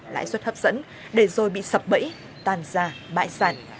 lãi suất hấp dẫn để rồi bị sập bẫy tàn ra bại sản